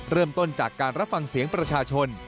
เริ่มต้นจากการรับฟังเสียงประชาชน